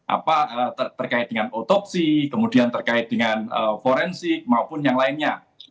apa terkait dengan otopsi kemudian terkait dengan forensik maupun yang lainnya